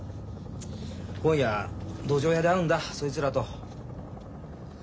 今夜どじょう屋で会うんだそいつらと。